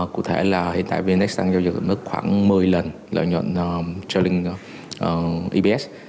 cụ thể là hiện tại vnx đang giao dựng mức khoảng một mươi lần lợi nhuận trailing ebs